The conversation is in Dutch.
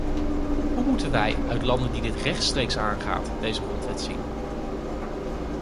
Hoe moeten wij, uit landen die dit rechtstreeks aangaat, deze grondwet zien?